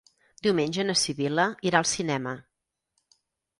Diumenge na Sibil·la irà al cinema.